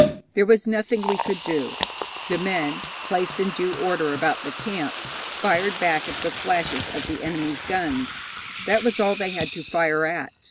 There was nothing we could do. The men, placed in due order about the camp, fired back at the flashes of the enemy's guns. That was all they had to fire at.